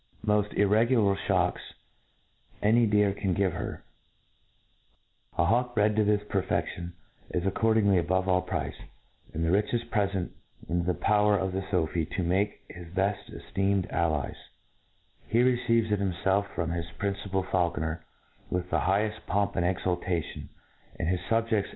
rooft irrie^ulv ifeapks any deer can give heir, 4 Jiawk bred tg this perfeftipn is accordingly a^ Jjove all price, and the richcft prefetit in the power pf the Sophi to make to hi^ beil eftcemcd allies* He receives itjbiinfelf from his principal faulconer with the higheft pomp and c^^ultation, and his fubjeds